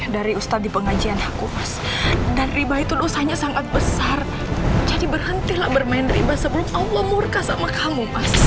dari ustadz di pengajian aku mas dan riba itu dosanya sangat besar jadi berhentilah bermain riba sebelum allah murka sama kamu